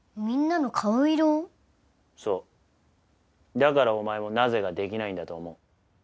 だからお前も「なぜ」ができないんだと思う。